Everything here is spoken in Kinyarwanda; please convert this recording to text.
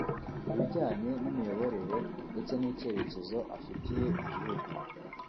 mu bijyanye n’imiyoborere ndetse n’icyerekezo afitiye igihugu